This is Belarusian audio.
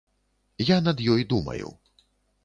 Я над ёй думаю.